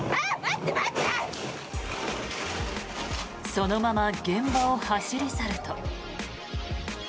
そのまま現場を走り去ると。